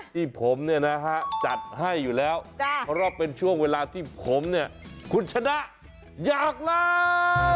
ที่ผมเนี่ยนะฮะจัดให้อยู่แล้วเพราะเป็นช่วงเวลาที่ผมเนี่ยคุณชนะอยากลา